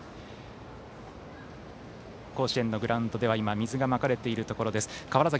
甲子園のグラウンドでは水がまかれているところです。